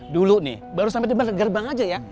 dulu nih baru sampe di bandar garbang aja ya